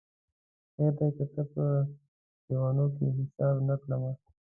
خیر دی که تا په لېونیو کي حساب نه کړمه